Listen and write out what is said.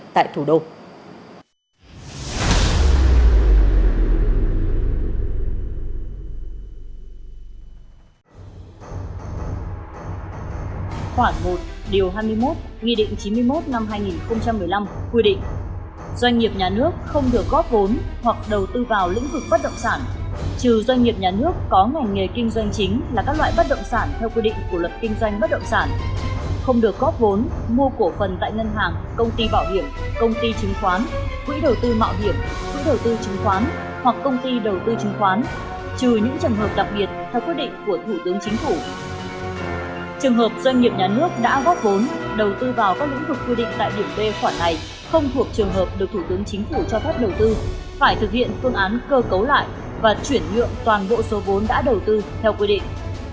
trường hợp doanh nghiệp nhà nước đã góp vốn đầu tư vào các lĩnh vực quy định tại điểm b khoản này không thuộc trường hợp được thủ tướng chính phủ cho phép đầu tư phải thực hiện phương án cơ cấu lại và chuyển nhượng toàn bộ số vốn đã đầu tư theo quy định